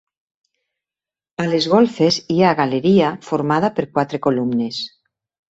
A les golfes hi ha galeria formada per quatre columnes.